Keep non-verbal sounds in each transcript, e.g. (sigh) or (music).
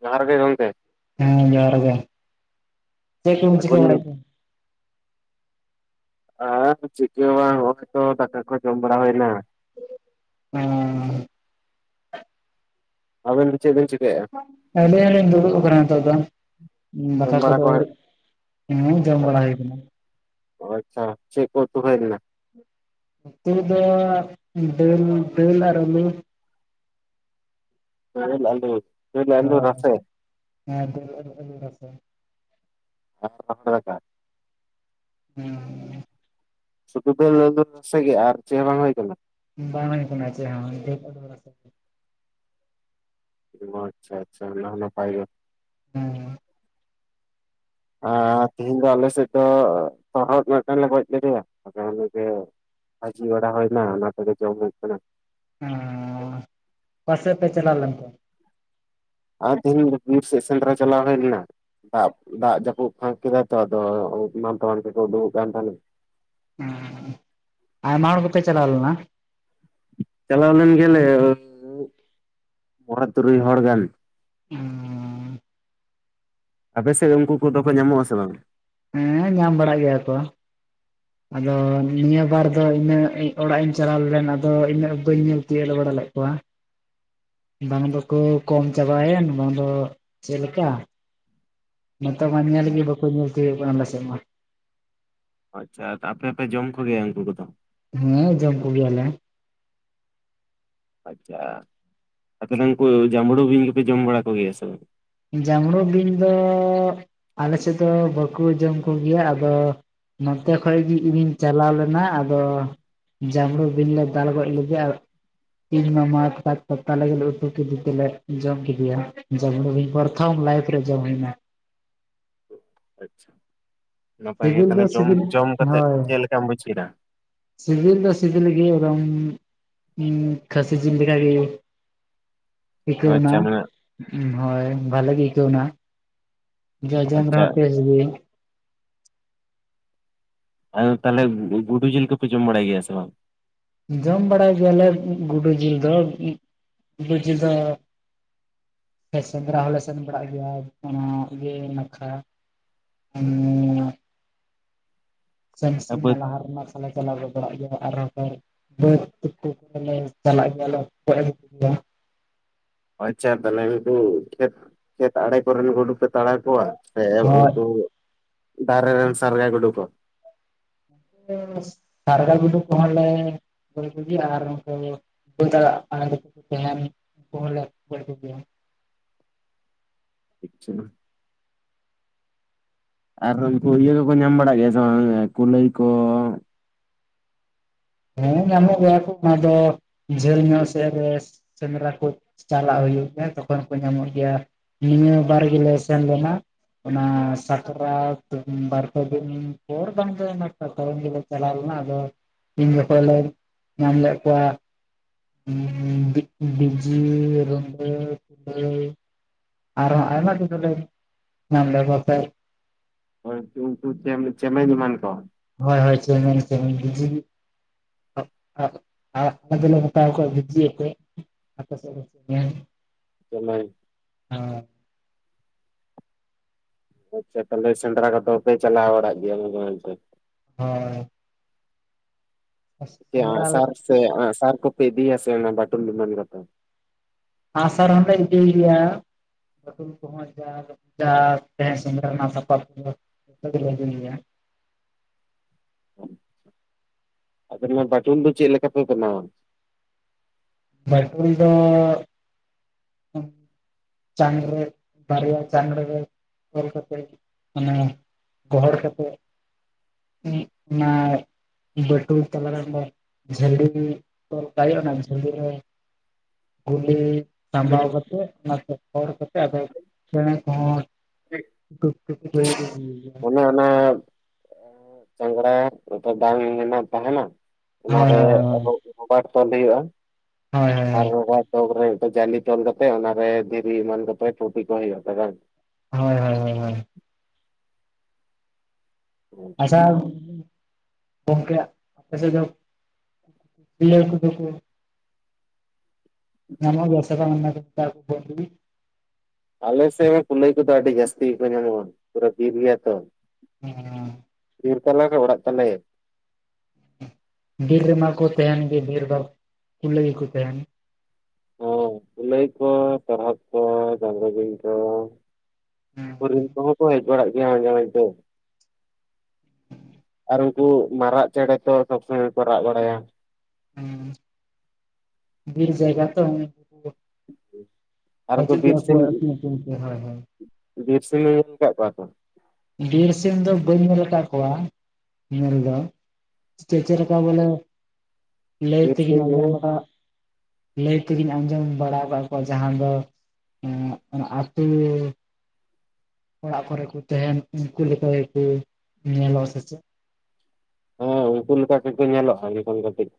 ᱡᱚᱦᱟᱨ ᱜᱮ ᱜᱚᱝᱠᱮ ᱦᱮᱸ ᱡᱚᱦᱟᱨ ᱜᱮ, ᱪᱮᱫ ᱠᱚᱯᱮ ᱪᱤᱠᱟᱹ ᱥᱟᱹᱜᱩᱱ ᱵᱟᱰᱟᱭᱮᱜ-ᱟ? ᱦᱮᱸ ᱪᱤᱠᱟᱹ ᱦᱚᱸᱵᱟᱝ ᱱᱚᱜᱚᱭ ᱛᱚ ᱫᱟᱠᱟ ᱠᱚ ᱡᱚᱢ ᱵᱟᱲᱟ ᱦᱩᱭᱮᱱᱟ ᱾ ᱦᱮᱸᱻ ᱟᱵᱮᱱᱼᱼ ᱪᱮᱫ ᱵᱤᱱ ᱪᱤᱠᱟᱹ ᱮᱭᱟ? ᱟᱹᱞᱤᱧ ᱦᱚᱸ ᱞᱤᱧ ᱫᱩᱲᱩᱵ ᱠᱟᱱᱟ ᱱᱤᱛᱚᱜ ᱫᱚ ᱡᱚᱢ ᱫᱟᱠᱟ ᱵᱟᱲᱟ ᱠᱚᱫᱚᱼᱼ ᱠᱚ ᱦᱮᱸ ᱡᱚᱢ ᱵᱟᱲᱟ ᱦᱳᱭ ᱠᱟᱱᱟ᱾ ᱟᱪᱪᱷᱟ ᱪᱮᱫ ᱠᱚ ᱩᱛᱩ ᱦᱩᱭ ᱞᱮᱱᱟ? ᱩᱛᱩ ᱫᱚ ᱫᱟᱹᱞ ᱟᱨ ᱫᱟᱹᱞ ᱟᱞᱩ᱾ (unintelligible) ᱫᱟᱹᱞ ᱟᱹᱞᱩ ᱫᱟᱹᱞ ᱟᱹᱞᱩ ᱨᱟᱥᱮ ᱦ ᱦᱮᱸ (inaudible) ᱟᱨ ᱨᱚᱦᱚᱲ ᱫᱟᱠᱟ? ᱦᱮᱸᱢ ᱥᱩᱫᱩ ᱫᱟᱹᱞ ᱟᱹᱞᱩ ᱨᱟᱥᱮ ᱜᱮ ᱟᱨ ᱪᱮᱫᱦᱚᱸ ᱵᱟᱝ ᱦᱩᱭ ᱠᱟᱱᱟ? ᱵᱟᱝ ᱦᱳᱭ ᱠᱟᱱᱟ ᱪᱮᱫ ᱦᱚᱸ ᱫᱟᱹᱞ ᱟᱹᱞᱩ ᱨᱟᱥᱮ ᱜᱮ᱾ ᱳ ᱟᱪᱪᱷᱟ ᱟᱪᱪᱷᱟ ᱚᱱᱟ ᱦᱚᱸ ᱱᱟᱯᱟᱭ ᱜᱮ᱾ ᱦᱮᱸ ᱟᱨ ᱛᱮᱤᱦᱤᱧ ᱫᱚ ᱟᱞᱮ ᱥᱮᱫ ᱫᱚ ᱛᱚᱨᱚᱦᱚᱫ ᱢᱤᱫᱴᱟᱝ ᱞᱮ ᱜᱚᱡᱽ ᱠᱮᱫᱮᱭᱟ᱾ ᱟ ᱚᱱ (inaudible) ᱵᱟᱷᱡᱤ ᱵᱟᱲᱟ ᱦᱳᱭ ᱚᱱᱟ ᱛᱮᱜᱮ ᱡᱚᱢ ᱦᱳᱭᱩᱜ ᱠᱟᱱᱟ᱾ ᱦᱸ ᱚᱠᱟ ᱥᱮᱫ ᱯᱮ ᱪᱟᱞᱟᱣ ᱞᱮᱱᱟ? ᱟᱨ ᱛᱮᱦᱮᱧ ᱵᱤᱨ ᱥᱮᱫ ᱥᱮᱸᱫᱽᱨᱟ ᱪᱟᱞᱟᱣ ᱦᱩᱭ ᱞᱮᱱᱟ᱾ ᱫᱟᱜ ᱫᱟᱜ ᱡᱟᱹᱯᱩᱫ ᱯᱷᱟᱸᱠ ᱠᱮᱫᱟᱭ ᱛᱚ ᱟᱫᱚ ᱮᱢᱟᱱ ᱛᱮᱢᱟᱱ ᱠᱚᱠᱚ ᱩᱰᱩᱜᱚᱜ ᱠᱟᱱ ᱛᱟᱦᱮᱸᱱᱟ᱾ ᱦᱸ ᱟᱭᱢᱟ ᱦᱚᱲ ᱜᱮ ᱯᱮ ᱪᱟᱞᱟᱣ ᱞᱮᱱᱟ? ᱪᱟᱞᱟᱣ ᱞᱮᱱ ᱜᱮᱭᱟ ᱞᱮ ᱢᱚᱲᱮ ᱛᱩᱨᱩᱭ ᱦᱚᱲ ᱜᱟᱱ᱾ ᱦᱸᱻ᱾ ᱟᱯᱮᱥᱮᱫ ᱩᱱᱠᱩ ᱠᱚᱫᱚ ᱠᱚ ᱧᱟᱢᱚᱜᱼᱟ ᱟᱥᱮ ᱵᱟᱝ? ᱦᱮᱸ ᱧᱟᱢ ᱵᱟᱲᱟᱜ ᱜᱮᱭᱟ ᱠᱚ, (inaudible) ᱟᱫᱚ ᱱᱤᱭᱟᱹ ᱵᱟᱨ ᱫᱚ ᱤᱱᱟᱹᱜ ᱚᱲᱟᱜ ᱤᱧ ᱪᱟᱞᱟᱣ ᱞᱮᱱ ᱟᱫᱚ ᱤᱱᱟᱹᱜ ᱵᱟᱹᱧ ᱧᱮᱞ ᱛᱤᱭᱟᱹᱜᱜ ᱵᱟᱲᱟ ᱞᱮᱫ ᱠᱚᱣᱟ᱾ (inaudible) ᱵᱟᱝ ᱫᱚᱠᱚ ᱠᱚᱢ ᱪᱟᱵᱟᱭᱮᱱ ᱵᱟᱝ ᱫᱚ ᱪᱮᱫᱞᱮᱠᱟ? ᱱᱚᱛᱮ ᱢᱚ ᱱᱮᱞ ᱜᱮ ᱵᱟᱜ ᱠᱚ ᱧᱮᱞ ᱛᱤᱭᱚᱜ ᱠᱟᱱ ᱟᱞᱮ ᱥᱮᱱ ᱢᱟ᱾ ᱟᱪᱪᱷᱟ ᱟᱯᱮᱯᱮ ᱡᱚᱢ ᱠᱚᱜᱮᱭᱟ ᱩᱱᱠᱩ ᱠᱚᱫᱚ? ᱦᱮᱸ ᱡᱚᱢ ᱠᱚ ᱭᱟᱞᱮ, ᱟᱪᱪᱷᱟ ᱟᱯᱮᱱᱟᱝᱠᱩ ᱡᱟᱸᱢᱲᱩ ᱵᱤᱧ ᱫᱚᱯᱮ ᱡᱚᱢ ᱵᱟᱲᱟ ᱠᱚᱜᱮᱭᱟ ᱥᱮ ᱵᱟᱝ? ᱡᱟᱸᱣᱲᱩ ᱵᱤᱧ ᱫᱚ ᱟᱞᱮ ᱥᱮᱫ ᱫᱚ ᱵᱟᱠᱚ ᱡᱚᱢ ᱠᱚᱜᱮᱭᱟ ᱟᱫᱚ ᱱᱚᱛᱮ ᱠᱷᱚᱡ ᱜᱮ ᱤᱧᱤᱧ ᱪᱟᱞᱟᱣ ᱞᱮᱱᱟ ᱟᱫᱚᱼᱼ ᱡᱟᱢᱲᱩ ᱵᱤᱱ ᱞᱮ ᱫᱟᱞ ᱜᱚᱡ ᱞᱮᱫᱮᱲᱟ ᱟᱨ, ᱤᱧ ᱢᱟᱢᱟ ᱥᱟᱠ ᱛᱟᱞᱮ ᱩᱛᱩ ᱠᱮᱫᱮ ᱛᱮᱞᱮ ᱡᱚᱢ ᱠᱮᱫᱮᱭᱟ ᱡᱚᱢᱲᱩ ᱵᱤᱧ᱾ ᱯᱚᱨᱛᱷᱚᱢ ᱞᱟᱤᱯ ᱨᱮ ᱡᱚᱢ ᱦᱚᱭᱮᱱᱠ, ᱟᱪᱪᱷᱟ ᱱᱟᱯᱟᱭ ᱜᱮ ᱥᱤᱵᱤᱞ ᱫᱚ ᱛᱟᱦᱚᱞᱮ ᱡᱚᱢ ᱥᱤᱵᱤᱞ ᱡᱚᱢ ᱠᱟᱛᱮ ᱦᱳᱭ ᱪᱮᱫ ᱞᱮᱠᱟᱢ ᱵᱩᱡᱷᱟᱣ ᱠᱮᱫᱟ? ᱥᱤᱵᱤᱞ ᱫᱚ ᱥᱤᱵᱤᱞ ᱜᱮ ᱮᱫᱚᱢ ᱠᱷᱟᱥᱤ ᱡᱤᱞ ᱞᱮᱠᱟ ᱜᱮᱼᱼ ᱤᱠᱟᱹᱣᱱᱟ ᱟᱪᱪᱷᱟ ᱢᱟᱱᱮ ᱦᱚᱭ ᱵᱷᱟᱞᱮ ᱜᱮᱤᱠᱟᱹᱣᱱᱟ᱾ ᱡᱚᱡᱚᱢ ᱨᱮ ᱟᱪᱪᱷᱟ ᱦᱚᱹ ᱴᱮᱥᱴ ᱜᱮ ᱟ ᱛᱟᱦᱚᱞᱮ ᱜᱩᱰᱩ ᱡᱤᱞ ᱠᱚᱯᱮ ᱡᱚᱢ ᱵᱟᱲᱟᱭ ᱜᱮᱭᱟ ᱥᱮ ᱵᱟᱝ? ᱡᱚᱢ ᱵᱟᱲᱟᱭ ᱜᱮᱭᱟᱞᱮ ᱜᱩᱰᱩ ᱡᱤᱞ ᱫᱚ ᱜᱩᱰᱩ ᱡᱤᱞ ᱫᱚᱼᱼ ᱥᱮᱸᱫᱽᱨᱟ ᱦᱚᱞᱮ ᱥᱮᱱ ᱵᱟᱲᱟᱜ ᱜᱮᱭᱟ ᱚᱱᱟ ᱜᱮ ᱱᱟᱠᱷᱟ, ᱦᱮᱸᱼᱼ ᱥᱮᱢ ᱥᱤ ᱵᱟᱹᱫᱽ ᱢᱟ ᱞᱟᱦᱟᱢᱟ ᱛᱟᱦᱞᱮ ᱪᱟᱞᱟᱣ ᱜᱚᱫᱲᱟᱜ ᱜᱮᱭᱟ ᱟᱨᱦᱚᱸ ᱵᱟᱹᱫᱽᱠᱩ ᱠᱚᱨᱮᱞᱮ ᱪᱟᱞᱟᱜ ᱜᱮᱭᱟ ᱞᱮ (unintelligible) ᱚᱡ ᱮᱢᱭᱟ ᱟᱪᱪᱷᱟ ᱛᱟᱦᱚᱞᱮ ᱠᱷᱮᱛ ᱠᱷᱮᱛ ᱟᱲᱮ ᱠᱚᱨᱮᱱ ᱜᱩᱰᱩ ᱯᱮᱼᱼ ᱛᱟᱲᱟ ᱠᱚᱣᱟ ᱥᱮ ᱦᱳᱭ ᱩᱱᱠᱩ ᱫᱟᱨᱮ ᱨᱮᱱ ᱥᱟᱨᱜᱟ ᱜᱩᱰᱩ ᱠᱚ? ᱥᱟᱨᱜᱟ ᱜᱩᱰᱩ ᱠᱚᱦᱚᱸ ᱞᱮ ᱜᱚᱡ ᱠᱚᱜᱮ ᱟᱨ ᱠᱩᱼᱼ (unintelligible) ᱟᱨ ᱪᱮᱢᱮᱧ ᱠᱚ ᱦᱚᱸᱞᱮ ᱜᱚᱡ ᱠᱚᱜᱮᱭᱟ ᱾ ᱟᱪᱪᱷᱟ ᱾ ᱟᱨ ᱩᱱᱠᱩ ᱤᱭᱟᱹ ᱠᱚᱠᱚ ᱧᱟᱢ ᱵᱟᱲᱟᱜ ᱜᱮᱭᱟ ᱥᱮ ᱵᱟᱝ ᱠᱩᱞᱟᱹᱭ ᱠᱚ? ᱦᱮᱸ ᱧᱟᱢᱚᱜ ᱜᱮᱭᱟ ᱠᱚ, ᱚᱱᱟ ᱫᱚ ᱡᱷᱟᱹᱞ ᱧᱚᱜ ᱥᱮᱫ ᱨᱮ᱾ ᱥᱮᱸᱫᱽᱨᱟ ᱠᱚ ᱪᱟᱞᱟᱜ ᱦᱩᱭᱩᱜ ᱜᱮᱭᱟ, ᱛᱚᱠᱷᱚᱱ ᱠᱚ ᱧᱟᱢᱚᱜ ᱜᱮᱭᱟ ᱾ ᱱᱤᱭᱟᱹ ᱵᱟᱨ ᱜᱤᱞᱮ ᱥᱮᱱ ᱞᱮᱱᱟ ᱾ ᱚᱱᱟ ᱥᱟᱠᱨᱟᱛ ᱵᱟᱨ ᱯᱮ ᱫᱤᱱ ᱯᱚᱨ ᱵᱟᱝ ᱫᱚ ᱚᱱᱟ ᱛᱟᱼᱛᱟᱭᱚᱢ ᱜᱮᱞᱮ ᱪᱟᱞᱟᱣ ᱞᱮᱱᱟ ᱟᱫᱚ ᱩᱱ ᱡᱚᱠᱷᱚᱡ ᱞᱮ ᱧᱟᱢ ᱞᱮᱫ ᱠᱚᱣᱟ ᱾ ᱵᱤᱼᱵᱤᱡᱤ, ᱨᱩᱸᱰᱟᱹᱻ ᱾ ᱟᱨᱦᱚᱸ ᱟᱭᱢᱟ ᱠᱤᱪᱷᱩ ᱞᱮ ᱧᱟᱢ ᱞᱮᱫ ᱠᱚᱣᱟ ᱥᱮ ᱾ ᱦᱳᱭᱛᱳ ᱩᱱᱠᱩ ᱪᱮᱢᱮᱧ ᱮᱢᱟᱱ ᱠᱚ ᱾ ᱦᱳᱭ ᱦᱳᱭ ᱪᱮᱢᱮᱧ ᱪᱮᱢᱮᱧ, ᱵᱤᱡᱤ ᱟᱼᱟᱼᱟᱫᱚ ᱞᱮ ᱢᱮᱛᱟ ᱟᱠᱚᱣᱟ ᱵᱤᱡᱤ ᱟᱛᱮ ᱾ ᱟᱯᱮ ᱥᱮᱫ ᱫᱚ ᱪᱮᱢᱮᱧ ᱾ ᱪᱮᱢᱮᱧ ᱾ ᱦᱚ ᱾ ᱟᱪᱪᱷᱟ ᱛᱟᱦᱞᱮ ᱥᱮᱸᱫᱽᱨᱟ ᱠᱚᱫᱚ ᱯᱮ ᱪᱟᱞᱟᱣ ᱵᱟᱲᱟᱜ ᱜᱮᱭᱟ ᱢᱟᱡᱷᱮ ᱢᱟᱡᱷᱮ? ᱦᱳᱭ ᱾ ᱪᱮᱫ ᱟᱸᱜ ᱥᱮᱸᱫᱽᱨᱟ ᱥᱟᱨ ᱥᱮ ᱟᱸᱜ ᱥᱟᱨ ᱠᱚᱯᱮ ᱤᱫᱤᱭᱟ ᱥᱮ ᱵᱟᱴᱩᱞ ᱮᱢᱟᱱ ᱠᱚᱛᱮ? ᱟᱸᱜ ᱥᱟᱨ ᱦᱚᱸᱞᱮ ᱤᱫᱤ ᱜᱮᱭᱟ ᱾ ᱱᱚᱜᱼᱚᱭ ᱡᱟ ᱡᱟ ᱥᱮᱸᱫᱽᱨᱟ ᱨᱮᱱᱟᱜ ᱥᱟᱯᱟᱵ ᱠᱚ ᱫᱚᱞᱮ ᱤᱫᱤ ᱜᱮᱭᱟ ᱾ ᱟᱫᱚ ᱚᱱᱟ ᱵᱟᱴᱩᱞ ᱫᱚ ᱪᱮᱫ ᱞᱮᱠᱟᱯᱮ ᱵᱮᱱᱟᱣᱟ? ᱵᱟᱴᱩᱞ ᱫᱚ ᱪᱟᱝ ᱨᱮ ᱫᱟᱨᱮᱭᱟᱜ ᱪᱟᱝᱲᱮ ᱨᱮ ᱛᱚᱞ ᱠᱟᱛᱮ ᱢᱟᱱᱮ ᱜᱚᱦᱚᱲ ᱠᱟᱛᱮᱫ ᱩᱸ ᱚᱱᱟ ᱵᱟᱹᱴᱩᱞ ᱛᱟᱞᱟ ᱨᱮ ᱚᱸᱰᱮ ᱡᱷᱟᱹᱞᱤ ᱛᱚᱞ ᱠᱟᱜ ᱦᱩᱭᱩᱜᱼᱟ, ᱚᱱᱟ ᱡᱷᱟᱹᱞᱤ ᱨᱮ ᱜᱩᱞᱤ ᱥᱟᱸᱵᱟᱣ ᱠᱟᱛᱮᱫ ᱚᱱᱟ ᱜᱚᱦᱚᱬ ᱠᱟᱛᱮ ᱟᱫᱚ ᱪᱮᱬᱮ ᱠᱚᱦᱚᱸ ᱴᱩᱴᱤ ᱠᱚ ᱦᱩᱭᱩᱜ ᱜᱮᱭᱟ ᱾ ᱚᱱᱮ ᱪᱟᱝᱲᱟ ᱢᱤᱫᱴᱮᱡ ᱰᱟᱝ ᱢᱟᱱᱮ ᱛᱟᱦᱮᱱᱟ ᱾ ᱦᱳᱭ ᱚᱱᱟᱨᱮ ᱨᱚᱼᱨᱚᱵᱟᱴ ᱛᱚᱞ ᱦᱩᱭᱩᱜᱼᱟ ᱾ ᱦᱳᱭ ᱦᱳᱭ ᱾ ᱟᱨ ᱨᱚᱵᱟᱴ ᱰᱚᱜᱽ ᱨᱮ ᱡᱟᱞᱤ ᱛᱚᱞ ᱠᱟᱛᱮ ᱚᱱᱟᱨᱮ ᱫᱷᱤᱨᱤ ᱮᱢᱟᱱ ᱠᱟᱛᱮ ᱴᱩᱴᱤ ᱠᱚ ᱦᱩᱭᱩᱜᱼᱟ ᱛᱚ ᱵᱟᱝ? ᱦᱳᱭ ᱦᱳᱭ ᱾ ᱦᱳᱭ ᱦᱳᱭ ᱾ ᱟᱪᱪᱷᱟ ᱜᱚᱝᱠᱮ ᱟᱯᱮ ᱥᱮᱫ ᱫᱚ ᱠᱩᱞᱟᱹᱭ ᱠᱚᱫᱚ ᱠᱚ ᱧᱚᱢᱚᱜ ᱜᱮᱭᱟ ᱥᱮ ᱵᱟᱝ (unintelligible) ᱠᱚ ᱞᱟᱹᱜᱤᱫ? ᱟᱞᱮ ᱥᱮᱫ ᱠᱩᱞᱟᱹᱭ ᱠᱚᱫᱚ ᱟᱹᱰᱤ ᱡᱟᱹᱥᱛᱤ ᱜᱮᱠᱚ ᱧᱟᱢᱚᱜᱼᱟ, ᱯᱩᱨᱟᱹ ᱵᱤᱨ ᱜᱮᱭᱟ ᱛᱚ ᱾ ᱦᱮᱸᱻ ᱵᱤᱨ ᱛᱟᱞᱟ ᱨᱮ ᱚᱲᱟᱜ ᱛᱟᱞᱮ ᱾ ᱵᱤᱨ ᱨᱮᱢᱟ ᱠᱚ ᱛᱟᱦᱮᱱ ᱜᱮ, ᱵᱤᱨ ᱫᱚ ᱠᱩᱞᱟᱹᱭ ᱠᱚ ᱛᱟᱦᱮᱱ ᱾ ᱠᱩᱞᱟᱹᱭ ᱠᱚ, ᱛᱚᱨᱦᱚᱫ ᱠᱚ, ᱡᱟᱸᱵᱲᱩ ᱵᱤᱧ ᱠᱚ ᱾ ᱦᱚᱨᱤᱱ ᱠᱚᱦᱚᱸ ᱠᱚ ᱦᱮᱡ ᱵᱟᱲᱟᱜ ᱜᱮᱭᱟ ᱢᱟᱡᱷᱮ ᱢᱚᱫᱫᱷᱮ ᱾ ᱟᱨ ᱩᱱᱠᱩ ᱢᱟᱨᱟᱜ ᱪᱮᱬᱮ ᱛᱚ ᱥᱚᱵ ᱥᱚᱢᱚᱭ ᱠᱚ ᱨᱟᱜ ᱵᱟᱲᱟᱭᱟ ᱾ ᱦᱩᱸ ᱵᱤᱨ ᱡᱟᱭᱜᱟ ᱛᱚ ᱩᱱᱠᱩ ᱟᱨ ᱩᱱᱠᱩ ᱦᱟᱹᱡᱩᱜ ᱵᱤᱨ ᱜᱮᱭᱟ ᱠᱚ ᱥᱤᱢ ᱟᱹᱛᱤᱧ ᱟᱹᱛᱤᱧ ᱛᱮ, ᱦᱳᱭ ᱦᱳᱭ ᱾ ᱵᱤᱨ ᱥᱤᱢ ᱧᱮᱞ ᱠᱟᱫ ᱠᱚᱣᱟ ᱛᱚ? ᱵᱤᱨ ᱥᱤᱢ ᱫᱚ ᱵᱟᱹᱧ ᱧᱮᱞ ᱟᱠᱟᱫ ᱠᱚᱣᱟ ᱧᱮᱞ ᱫᱚ ᱾ ᱪᱮᱼᱪᱮᱫ ᱞᱮᱠᱟ ᱵᱚᱞᱮ ᱞᱟᱹᱭ ᱵᱤᱨ ᱥᱤᱢ ᱛᱮᱜᱤᱧ ᱟᱡᱚᱢ ᱦᱚᱸ ᱵᱟᱲᱟ ᱞᱟᱹᱭ ᱛᱮᱜᱤᱧ ᱟᱸᱡᱚᱢ ᱵᱟᱲᱟ ᱠᱟᱫ ᱠᱚᱣᱟ ᱡᱟᱦᱟᱸ ᱫᱚ ᱮᱸ ᱚᱱᱟ ᱟᱹᱛᱩ ᱚᱲᱟᱜ ᱠᱚᱨᱮ ᱠᱚ ᱛᱟᱦᱮᱱ ᱩᱱᱠᱩ ᱞᱮᱠᱟ ᱜᱮᱠᱚ ᱧᱮᱞ ᱟᱜ ᱥᱮᱪᱮᱫ? ᱦᱮᱸ ᱩᱱᱠᱩ ᱞᱮᱠᱟ ᱜᱮᱠᱚ ᱧᱮᱞᱚᱜ-ᱟ ᱢᱮᱱ ᱠᱷᱚᱱ ᱠᱟᱹᱴᱤᱡ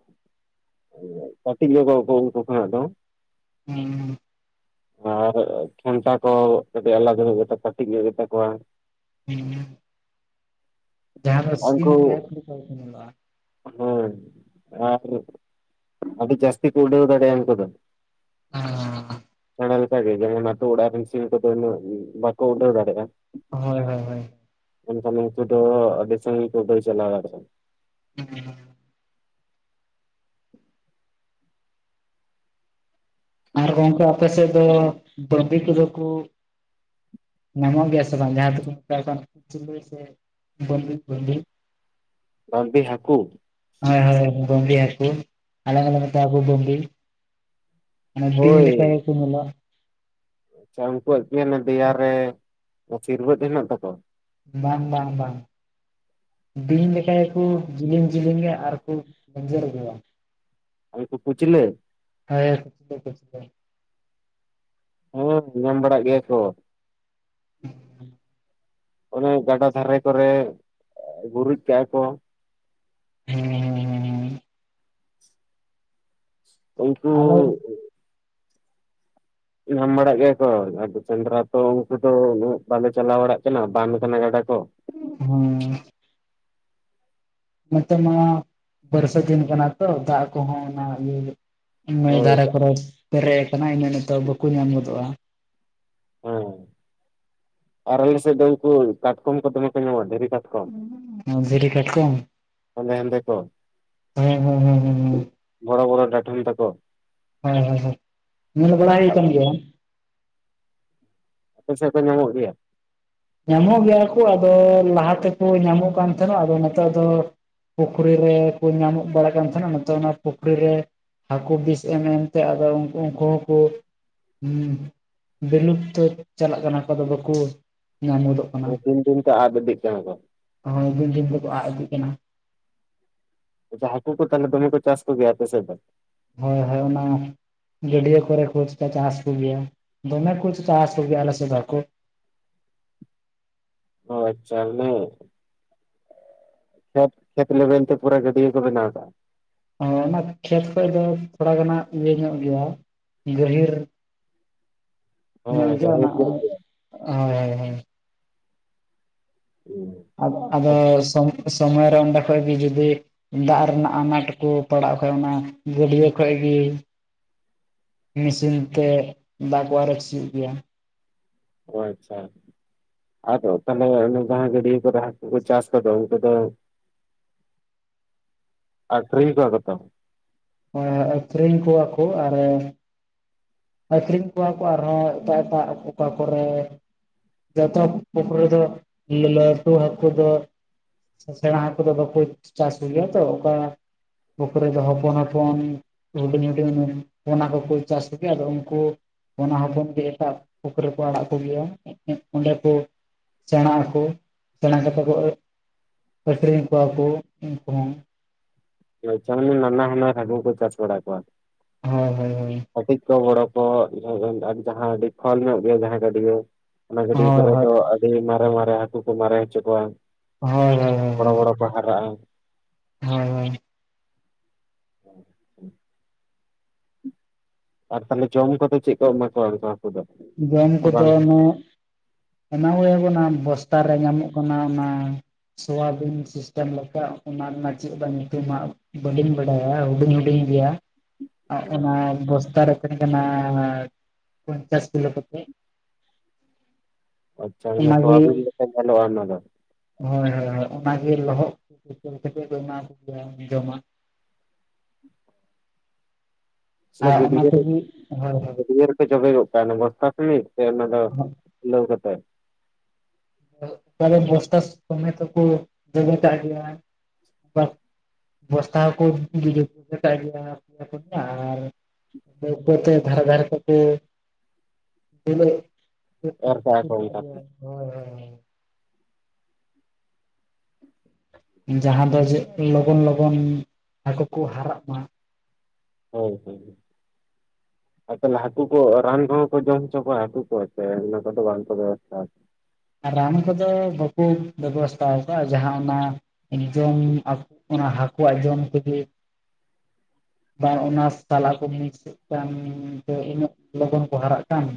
ᱠᱟᱹᱴᱤᱡ ᱧᱚᱜ ᱩᱱᱠᱩ ᱠᱷᱚᱱᱟ ᱫᱚ᱾ ᱦᱩᱸ ᱟᱨ ᱴᱷᱮᱱᱴᱟ ᱠᱚ ᱠᱟᱹᱴᱤᱡ ᱟᱞᱟᱫᱟ ᱠᱟᱹᱴᱤᱡ ᱧᱚᱜ ᱜᱮᱛᱟ ᱠᱚᱣᱟ ᱦᱩᱸ ᱡᱟᱦᱟᱸ ᱫᱚ ᱥᱤᱢ ᱩᱱᱠᱩ ᱴᱟᱭᱤᱯ ᱞᱮᱠᱟ ᱜᱮᱠᱚ ᱧᱮᱞᱚᱜ ᱟ ᱦᱮᱸ ᱟᱨ ᱟᱹᱰᱤ ᱡᱟᱹᱥᱛᱤ ᱠᱚ ᱩᱰᱟᱹᱣ ᱫᱟᱲᱮᱭᱟ-ᱟ ᱩᱱᱠᱩ ᱫᱚ ᱦᱟᱻ ᱚᱱᱞᱮᱠᱟ ᱜᱮ ᱡᱮᱢᱚᱱ ᱟᱛᱩᱟᱲᱟᱜ ᱨᱮᱱ ᱥᱤᱢ ᱠᱚᱫᱚᱩᱱᱟᱹᱜ ᱵᱟᱠᱚ ᱩᱰᱟᱹᱣ ᱫᱟᱲᱮ-ᱟ ᱦᱳᱭ ᱦᱳᱭ ᱦᱳᱭ ᱩᱱᱠᱩ ᱫᱚ ᱟᱹᱰᱤ ᱥᱟᱹᱜᱤᱧ ᱠᱚ ᱩᱰᱟᱹᱣ ᱪᱟᱞᱟᱣ ᱫᱟᱲᱮᱭᱟ-ᱟ᱾ ᱦᱩᱸᱻ ᱟᱨ ᱜᱚᱝᱠᱮ ᱟᱯᱮ ᱥᱮᱫ ᱫᱚ ᱵᱟᱹᱵᱤ ᱠᱚᱫᱚ ᱠᱩ ᱧᱟᱢᱚᱜ ᱜᱮᱭᱟ ᱥᱮ ᱵᱟᱝ ᱡᱟᱦᱟᱸᱭ (unintelligible) ᱵᱟᱹᱵᱤ ᱵᱟᱹᱵᱤ ᱵᱟᱹᱵᱤ ᱦᱟᱹᱠᱩ? ᱦᱳᱭ ᱦᱳᱭ ᱵᱟᱹᱵᱤ ᱦᱟᱹᱠᱩ ᱟᱞᱮ ᱟᱞᱮ ᱫᱚᱞᱮ ᱢᱮᱛᱟᱣ ᱠᱳᱭᱟ ᱵᱟᱵᱤ ᱚᱱᱟ ᱵᱤᱧ ᱦᱳᱭ ᱞᱮᱠᱟ ᱜᱮᱠᱟ ᱧᱮᱞᱚᱜ ᱟᱪᱪᱷᱟ ᱩᱱᱠᱩᱣᱟᱜ ᱜᱮ ᱫᱮᱭᱟᱨᱮ ᱥᱤᱨᱵᱟᱹᱫ ᱦᱮᱱᱟᱜ ᱛᱟᱠᱚᱣᱟ? ᱵᱟᱝ ᱵᱟᱝ ᱵᱟᱝ᱾ ᱵᱤᱧ ᱞᱮᱠᱟ ᱜᱮᱠᱚ ᱡᱮᱞᱮᱧ ᱡᱮᱞᱤᱧᱟ ᱟᱨᱠᱚ ᱜᱮᱧᱡᱮᱨᱜᱮᱼᱟ᱾ ᱩᱱᱠᱩ ᱠᱩᱪᱞᱟᱹ (unintelligible) ᱦᱮᱸ ᱧᱟᱢ ᱵᱟᱲᱟᱜ ᱜᱮᱭᱟ ᱠᱚ (inaudible) ᱚᱱᱮ ᱜᱟᱰᱟ ᱫᱷᱟᱨᱮ ᱠᱚᱨᱮ ᱵᱩᱨᱩᱡ ᱠᱟᱜ-ᱟ ᱠᱚ ᱦᱩᱸ ᱦᱩᱸ ᱦᱩᱸ ᱦᱩᱸᱻ ᱩᱱᱠᱩ ᱟᱞᱮ ᱧᱟᱢ ᱵᱟᱲᱟᱜ ᱜᱮᱭᱟ ᱠᱚ ᱟᱫᱚ ᱥᱮᱸᱫᱽᱨᱟ ᱛᱚ ᱩᱱᱠᱩ ᱫᱚ ᱩᱱᱟᱹᱜ ᱵᱟᱞᱮ ᱪᱟᱞᱟᱣ ᱵᱟᱲᱟᱜ ᱠᱟᱱᱟ ᱵᱟᱱ ᱠᱟᱱᱟ ᱜᱟᱰᱟ ᱠᱚ᱾ ᱦᱩᱸ ᱱᱚᱛᱮ ᱢᱟ ᱵᱟᱹᱨᱥᱟᱹ ᱫᱤᱱ ᱠᱟᱱᱟ ᱛᱚ ᱫᱟᱜ ᱠᱚᱦᱚᱸ ᱚᱱᱟ ᱤᱭᱟᱹ ᱱᱟᱹᱭ ᱦᱳᱭ ᱫᱷᱟᱨᱮ ᱠᱚᱨᱮ ᱯᱮᱨᱮ ᱠᱟᱱᱟ ᱤᱱᱟᱹ ᱱᱤᱛᱚᱜ ᱵᱟᱠᱩ ᱧᱟᱢ ᱜᱚᱫᱚᱜ-ᱟ᱾ ᱦᱮᱸ ᱟᱨ ᱟᱞᱮ ᱥᱮᱫ ᱫᱚ ᱩᱱᱠᱩ ᱠᱟᱴᱠᱚᱢ ᱠᱚ ᱫᱚᱢᱮ ᱠᱚ ᱧᱟᱢᱚᱜ-ᱟ ᱫᱷᱤᱨᱤ ᱠᱟᱴᱠᱚᱢ ᱚ ᱫᱷᱤᱨᱤ ᱠᱟᱴᱠᱚᱢ ᱦᱮᱸᱫᱮ ᱦᱮᱸᱫᱮ ᱠᱚ ᱦᱮᱸ ᱦᱮᱸ ᱦᱮᱸ ᱦᱮᱸ ᱦᱮᱸ ᱵᱚᱲᱚ ᱵᱚᱲᱚ ᱰᱟᱴᱚᱢ ᱛᱟᱠᱚ ᱦᱚᱭ ᱦᱚᱭ ᱦᱚᱭ ᱧᱮᱞ ᱵᱟᱲᱟᱭᱮ ᱠᱟᱱ ᱜᱮᱭᱟ ᱟᱯᱮ ᱥᱮᱫ ᱫᱚ ᱧᱟᱢᱚᱜ ᱜᱮᱭᱟ? ᱧᱟᱢᱚᱜ ᱜᱮᱭᱟ ᱠᱩ ᱟᱫᱚ ᱞᱟᱦᱟ ᱛᱮᱠᱩ ᱧᱟᱢᱚᱜ ᱠᱟᱱ ᱛᱟᱦᱮᱱᱚᱜ ᱟᱫᱚ ᱱᱮᱛᱟᱨ ᱫᱚ ᱯᱩᱠᱷᱨᱤ ᱨᱮ ᱠᱩ ᱧᱟᱢᱚᱜ ᱵᱟᱲᱟᱜ ᱠᱟᱱ ᱛᱟᱦᱮᱱᱟ ᱱᱤᱛᱚᱜ ᱚᱱᱟ ᱯᱩᱠᱷᱨᱤ ᱨᱮ ᱦᱟᱹᱠᱩ ᱵᱤᱥ ᱮᱢ ᱮᱢᱛᱮ ᱟᱫᱚ ᱩᱱᱠᱩ ᱦᱚᱸᱠᱚ ᱦᱩᱸ ᱵᱤᱞᱩᱯᱛᱚ ᱪᱟᱞᱟᱜ ᱠᱟᱱᱟ ᱟᱫᱚ ᱵᱟᱠᱩ ᱧᱟᱢ ᱜᱚᱫᱚᱜ ᱫᱤᱱ ᱫᱤᱱ ᱛᱮ ᱟᱫ ᱤᱫᱤᱜ ᱠᱟᱱᱟ ᱠᱚ᱾ ᱦᱚᱭ ᱫᱤᱱ ᱫᱤᱱ ᱛᱮᱠᱚ ᱟᱜ ᱤᱫᱤᱜ ᱠᱟᱱᱟ᱾ ᱟᱪᱪᱷᱟ ᱦᱟᱹᱠᱩ ᱠᱚ ᱛᱟᱦᱚᱞᱮ ᱫᱚᱢᱮ ᱠᱚ ᱪᱟᱥ ᱠᱚᱜᱮᱭᱟ ᱟᱯᱮ ᱥᱮᱫ ᱫᱚ? ᱦᱳᱭ ᱦᱳᱭ ᱚᱱᱟ ᱜᱟᱹᱰᱭᱟᱹ ᱠᱚᱨᱮ ᱠᱚ ᱪᱟ-ᱪᱟᱥ ᱠᱚᱜᱮᱭᱟ ᱫᱚᱢᱮ ᱠᱩ ᱪᱟᱥ ᱠᱚᱜᱮᱭᱟ ᱟᱞᱮ ᱥᱮᱫ ᱫᱚ ᱦᱟᱠᱳ ᱚ ᱟᱪᱪᱷᱟ ᱠᱷᱮᱛ ᱠᱷᱮᱛ ᱞᱮᱵᱮᱞ ᱛᱮ ᱯᱩᱨᱟᱹ ᱜᱟᱹᱰᱭᱟᱹ ᱠᱚ ᱵᱮᱱᱟᱣ ᱠᱟᱜ-ᱟ᱾ ᱦᱚ ᱚᱱᱟ ᱠᱷᱮᱛ ᱠᱷᱚᱱ ᱫᱚ ᱛᱷᱚᱲᱟ ᱜᱟᱱᱦᱟᱜ ᱤᱭᱟᱹ ᱧᱚᱜ ᱜᱮᱭᱟ ᱜᱟᱹᱦᱤᱨ (unintelligible) ᱦᱮᱸ ᱦᱳᱭ ᱜᱟᱹᱦᱤᱨ ᱧᱚᱜ ᱜᱮᱭᱟ ᱦᱳᱭ ᱦᱳᱭ ᱾ (unintelligible) ᱟᱫᱚ ᱥᱚᱢ ᱥᱚᱢᱚᱭ ᱨᱮ ᱚᱸᱰᱮ ᱠᱷᱚᱡ ᱜᱮ ᱡᱩᱫᱤ ᱫᱟᱜ ᱨᱮᱱᱟᱜ ᱟᱱᱟᱴ ᱠᱩ ᱯᱟᱲᱟᱜ ᱠᱷᱟᱱ ᱚᱱᱟ ᱜᱟᱹᱰᱭᱟᱹ ᱠᱷᱚᱡ ᱜᱮ ᱢᱮᱥᱤᱱ ᱛᱮ ᱫᱟᱜ ᱠᱩ ᱟᱨᱮᱡ ᱦᱩᱭᱩᱜ ᱜᱮᱭᱟ᱾ ᱚ ᱟᱪᱪᱷᱟ ᱾ ᱟᱫᱚ ᱛᱟᱦᱚᱞᱮ ᱚᱱᱮ ᱡᱟᱦᱟ ᱜᱟᱹᱰᱭᱟᱹ ᱠᱚᱨᱮ ᱦᱟᱹᱠᱩ ᱠᱚ ᱪᱟᱥ ᱠᱚᱫᱚ ᱩᱱᱠᱩ ᱫᱚ ᱟᱠᱷᱨᱤᱧ ᱠᱚᱣᱟ ᱠᱚ ᱛᱚ? ᱦᱳᱭ ᱦᱳᱭ ᱟᱠᱷᱨᱤᱧ ᱠᱚᱣᱟ ᱠᱩ ᱟᱨᱚ ᱟᱠᱷᱨᱤᱧ ᱠᱚᱣᱟ ᱠᱚ ᱟᱨᱦᱚᱸ ᱮᱴᱟᱜ ᱮᱴᱟᱜ ᱚᱠᱟ ᱠᱚᱨᱮ ᱡᱚᱛᱚ ᱯᱩᱠᱷᱨᱤ ᱫᱚ ᱞᱟᱻᱞᱟᱹᱴᱩ ᱦᱟᱹᱠᱩ ᱫᱚ ᱥᱮᱬᱟ ᱦᱟᱹᱠᱩ ᱫᱚ ᱵᱟᱠᱚ ᱪᱟ-ᱪᱟᱥ ᱠᱚ ᱜᱮᱭᱟ ᱛᱚ, ᱚᱠᱟ ᱯᱩᱠᱷᱨᱤ ᱫᱚ ᱦᱚᱯᱚᱱ ᱦᱚᱯᱚᱱ ᱦᱩᱰᱤᱧ ᱦᱩᱰᱤᱧ ᱯᱚᱱᱟ ᱠᱚᱠᱚ ᱪᱟᱥ ᱟᱫᱚ ᱩᱱᱠᱩ ᱯᱚᱱᱟ ᱦᱚᱯᱚᱱ ᱜᱮ ᱮᱴᱟᱜ ᱯᱩᱠᱷᱨᱤ ᱨᱮ ᱠᱚ ᱟᱲᱟᱜ ᱠᱚᱜᱮᱭᱟ, ᱚᱸᱰᱮ ᱠᱩ ᱥᱮᱬᱟ ᱦᱟᱹᱠᱩ ᱥᱮᱬᱟ ᱠᱟᱛᱮ ᱠᱚ ᱟᱠᱷᱨᱤᱧ ᱠᱚᱣᱟ ᱠᱚ ᱩᱱᱠᱩ ᱦᱚᱸ ᱾ ᱛᱟᱦᱚᱞᱮ ᱱᱟᱱᱟ ᱦᱩᱱᱟᱹᱨ ᱦᱟᱹᱠᱩ ᱠᱚ ᱪᱟᱥ ᱵᱟᱲᱟ ᱠᱚᱣᱟ ᱾ ᱦᱳᱭ ᱦᱳᱭ ᱦᱳᱭ ᱾ ᱠᱟᱹᱴᱤᱡ ᱠᱚ ᱵᱚᱲᱚ ᱠᱚ ᱡᱟ-ᱡᱟᱦᱟᱸ ᱟᱰᱤ ᱠᱷᱚᱞ ᱧᱚᱜ ᱜᱮᱭᱟ, ᱡᱟᱦᱟᱸ ᱜᱟᱹᱰᱭᱟᱹ ᱚᱱᱟ ᱜᱟᱹᱰᱭᱟᱹ ᱦᱳᱭ ᱠᱚᱨᱮ ᱦᱳᱭ ᱫᱚ ᱟᱹᱰᱤ ᱢᱟᱨᱮ ᱢᱟᱨᱮ ᱦᱟᱹᱠᱩ ᱠᱚ ᱢᱟᱨᱮ ᱦᱚᱪᱚ ᱠᱚᱣᱟ ᱾ ᱦᱳᱭ ᱦᱚ ᱵᱚᱲᱚ ᱵᱚᱲᱚ ᱠᱚ ᱦᱟᱨᱟᱜ-ᱟ ᱾ ᱦᱳᱭ ᱦᱳᱭ ᱾ (inaudible) ᱟᱨ ᱛᱟᱦᱚᱞᱮ ᱡᱚᱢ ᱠᱚᱫᱚ ᱪᱮᱫ ᱠᱚ ᱮᱢᱟ ᱠᱚᱣᱟ ᱚᱱᱠᱟ? ᱡᱟᱢ ᱠᱚᱫᱚ ᱚᱱᱮ ᱮᱢᱟ ᱠᱚᱜᱮᱭᱟᱠ ᱚᱱᱟ ᱵᱚᱥᱛᱟ ᱨᱮ ᱧᱟᱢᱚᱜ ᱠᱟᱱᱟ ᱚᱱᱟ ᱥᱳᱣᱟᱵᱤᱱ ᱥᱤᱥᱴᱮᱢ ᱞᱮᱠᱟ ᱚᱱᱟ ᱨᱮᱱᱟᱜ ᱪᱮᱫ ᱪᱚ ᱧᱩᱛᱩᱢ ᱦᱟᱜ ᱵᱟᱹᱞᱤᱱ ᱵᱟᱰᱟᱭᱟ ᱦᱩᱵᱤᱱ ᱦᱩᱵᱤᱱ ᱜᱮᱭᱟ ᱾ ᱚᱱᱟ ᱵᱚᱥᱛᱟ ᱨᱮ ᱛᱟᱦᱮᱸ ᱠᱟᱱᱟ ᱯᱚᱧᱪᱟᱥ ᱠᱤᱞᱳ ᱠᱟᱛᱮᱜ ᱾ ᱟᱪᱪᱷᱟ ᱚᱱᱟᱜᱮ ᱥᱳᱣᱟᱵᱤᱱ ᱞᱮᱠᱟ ᱧᱮᱞᱚᱜᱼᱟ ᱚᱱᱟ ᱫᱚ ᱾ ᱦᱳᱭ ᱦᱳᱭ ᱦᱳᱭ ᱾ ᱚᱱᱟ ᱜᱮ ᱞᱚᱦᱚᱫ ᱠᱟᱛᱮᱜ (inaudible) ᱮᱢᱟ ᱠᱚᱜᱮᱭᱟ ᱡᱚᱢᱟᱜ ᱾ ᱥᱮ ᱟᱨ ᱚᱱᱟ ᱜᱟᱹᱰᱭᱟᱹ ᱨᱮ ᱛᱮᱜᱮ ᱦᱳᱭ ᱦᱳᱭ ᱾ ᱜᱟᱹᱰᱭᱟᱹ ᱡᱚᱵᱮ ᱜᱚᱜᱠᱟ ᱚᱱᱟ ᱵᱚᱥᱛᱟ ᱛᱮᱜᱤ ᱥᱮ ᱚᱱᱟ ᱫᱚ ᱠᱷᱩᱞᱟᱹᱣ ᱠᱟᱛᱮᱜ ᱚᱠᱟᱨᱮ ᱵᱚᱥᱛᱟ ᱥᱚᱢᱮᱫ ᱦᱚ ᱠᱚ ᱡᱚᱵᱮ ᱠᱟᱜ ᱜᱮᱭᱟ ᱾ ᱵᱮᱵᱚᱥᱛᱟ ᱠᱚᱦᱚᱸ ᱟᱨ (unintelligible) ᱩᱯᱟᱹᱛᱮ ᱫᱷᱟᱨᱮ ᱫᱷᱟᱨᱮ ᱛᱮ ᱠᱚ ᱯᱮᱱᱟᱹᱜ, ᱮᱨ ᱠᱟᱜᱼᱟ (inaudible) ᱠᱚ ᱚᱱᱠᱟ ᱛᱮ ᱦᱳᱭ ᱦᱳᱭ ᱾ ᱡᱟᱦᱟᱸ ᱫᱚ ᱡᱮ ᱞᱚᱜᱚᱱ ᱞᱚᱜᱚᱱ ᱦᱟᱹᱠᱩ ᱠᱚ ᱦᱟᱨᱟᱜ ᱢᱟ ᱾ ᱦᱳᱭ ᱦᱳᱭ ᱾ ᱟᱨ ᱛᱟᱦᱚᱞᱮ ᱦᱟᱹᱠᱩ ᱠᱚ ᱨᱟᱱ ᱠᱚᱦᱚ ᱠᱚ ᱡᱚᱢ ᱦᱚᱪᱚ ᱠᱚᱣᱟ, ᱦᱟᱹᱠᱩ ᱠᱚ ᱥᱮ ᱚᱱᱟ ᱠᱚᱫᱚ ᱵᱟᱝᱠᱚ ᱵᱮᱵᱚᱥᱛᱷᱟ ᱨᱟᱱ ᱠᱚᱫᱚ ᱵᱟᱠᱚ ᱵᱮᱵᱚᱥᱛᱷᱟ ᱟᱠᱟᱜᱼᱟ, ᱡᱟᱦᱟᱸ ᱚᱱᱟ ᱡᱚᱢ ᱚᱱᱟ ᱦᱟᱹᱠᱩᱣᱟᱜ ᱡᱚᱢ ᱛᱤᱜᱤ ᱚᱱᱟ ᱚᱱᱟ ᱥᱟᱞᱟ ᱠᱚ (unintelligible) ᱠᱟᱱ ᱤᱱᱟᱹᱜ ᱞᱚᱜᱚᱱ ᱠᱚ ᱦᱟᱨᱟᱜ ᱠᱟᱱ ᱾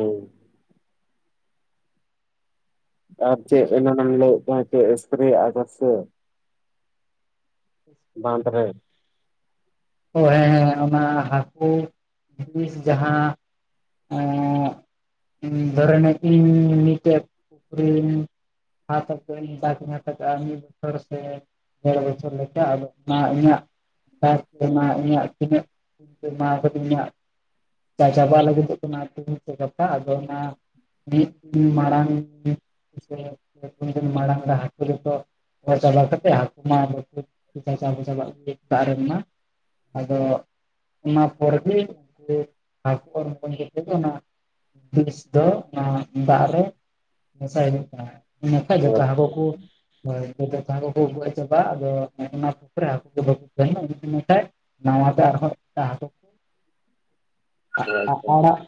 ᱦᱩᱸ ᱾ ᱟᱨ ᱪᱮᱫ ᱮᱱᱟᱱ ᱮᱢ ᱞᱟᱹᱭ ᱠᱟᱱᱟ ᱪᱮᱫ ᱮᱥᱯᱨᱮᱭᱟᱜ ᱠᱚ ᱥᱮᱪᱮᱫ? ᱵᱟᱸᱫᱷ ᱨᱮ (inaudible) ᱚ ᱦᱮᱸ ᱦᱮᱸ ᱚᱱᱟ ᱦᱟᱹᱠᱩ ᱵᱤᱥ ᱡᱟᱦᱟᱸ ᱮᱸᱜᱻ ᱫᱷᱚᱨᱮ (unintelligible) ᱢᱤᱫᱴᱮᱡ ᱯᱩᱠᱷᱨᱤ (inaudible) ᱢᱤᱫ ᱵᱚᱪᱷᱚᱨ ᱥᱮ ᱰᱮᱨ ᱵᱚᱪᱷᱚᱨ ᱞᱮᱠᱟ? ᱟᱫᱚ ᱚᱱᱟ ᱤᱧᱟᱹᱜ ᱢᱟ ᱤᱧᱟᱹᱜ ᱛᱤᱱᱟᱹᱜ ᱡᱚᱢᱟᱣ ᱠᱟᱫᱤᱧ ᱦᱟᱸᱜ ᱪᱟᱵᱟ ᱞᱟᱹᱜᱤᱫᱚᱜ ᱠᱟᱱᱟ (unintelligible) ᱜᱟᱯᱟ ᱟᱫᱚ ᱚᱱᱟ, ᱢᱤᱫᱤᱱ ᱢᱟᱲᱟᱝ ᱥᱮ ᱯᱮ ᱯᱩᱱ ᱫᱤᱱ ᱢᱟᱲᱟᱝ ᱨᱮ ᱦᱟᱹᱠᱩ ᱨᱮᱫᱚ᱾ ᱨᱚᱦᱚᱭ ᱪᱟᱵᱟ ᱠᱟᱛᱮᱜ ᱦᱟᱹᱠᱩ ᱢᱟ (unintelligible) (unintelligible) ᱨᱮᱱ ᱢᱟ᱾ ᱟᱫᱚ ᱚᱱᱟ ᱯᱚᱨᱜᱮ ᱦᱟᱹᱠᱩ (unintelligible) (unintelligible) ᱱᱟᱦᱟᱜ, ᱵᱤᱥ ᱫᱚ ᱚᱱᱟ ᱫᱟᱜᱽ ᱨᱮ ᱢᱮᱥᱟᱭ ᱦᱩᱭᱩᱜ ᱠᱟᱱᱟ᱾ ᱤᱱᱟᱹᱠᱷᱟᱭᱡ ᱚ ᱡᱚᱛᱚ ᱦᱟᱹᱠᱩ ᱟᱪᱪᱷᱟ ᱠᱚ, ᱦᱳᱭᱚᱛ ᱠᱚ ᱟᱹᱜᱩ ᱪᱟᱵᱟᱜ ᱟᱫᱚ ᱚᱱᱟ ᱯᱩᱠᱷᱨᱮ ᱦᱟᱹᱠᱩ ᱫᱚ ᱵᱟᱠᱚ ᱛᱟᱦᱮᱱᱟ ᱤᱱᱟᱹᱜᱫᱤᱱ ᱾ ᱱᱟᱣᱟᱛᱮ ᱟᱨᱦᱚᱸ (unintelligible) ᱦᱟᱹᱠᱩ ᱠᱚ᱾ ᱟᱪᱪᱷᱟ, ᱟᱲᱟᱜ